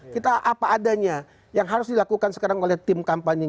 kita apa adanya yang harus dilakukan sekarang oleh tim kampanye